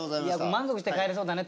満足して帰れそうだね